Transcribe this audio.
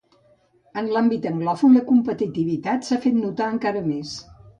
En l'àmbit anglòfon la competitivitat s'ha fet notar encara més.